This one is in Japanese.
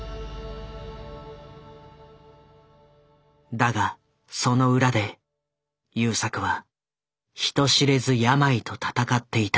だがその裏で優作は人知れず病と闘っていた。